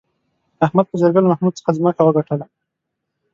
احمد په جرگه کې له محمود څخه ځمکه وگټله